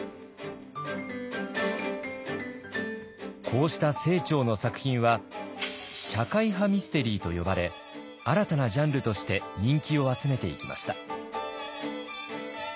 こうした清張の作品は社会派ミステリーと呼ばれ新たなジャンルとして人気を集めていきました。